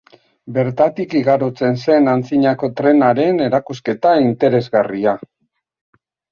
Bertatik igarotzen zen antzinako trenaren erakusketa interesgarria.